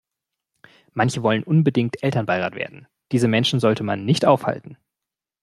Manche wollen unbedingt Elternbeirat werden, diese Menschen sollte man nicht aufhalten.